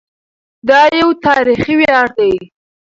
دا یو تاریخي ویاړ دی.